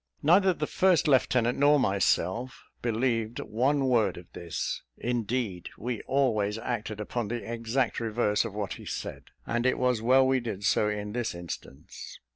Neither the first lieutenant nor myself believed one word of this; indeed, we always acted upon the exact reverse of what he said; and it was well we did so in this instance.